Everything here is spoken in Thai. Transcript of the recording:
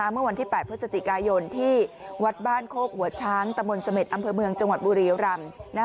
เมื่อวันที่๘พฤศจิกายนที่วัดบ้านโคกหัวช้างตะมนต์เสม็ดอำเภอเมืองจังหวัดบุรีรำ